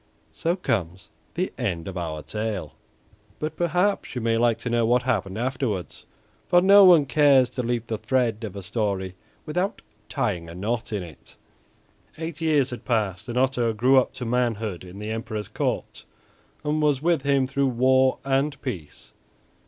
So comes the end of our tale. But perhaps you may like to know what happened afterward, for no one cares to leave the thread of a story without tying a knot in it. Eight years had passed, and Otto grew up to manhood in the Emperor's court, and was with him through war and peace.